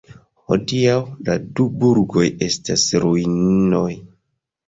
Hodiaŭ la du burgoj estas ruinoj.